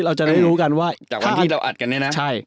เราจะได้รู้กันว่า